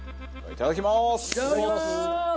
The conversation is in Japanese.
いただきます。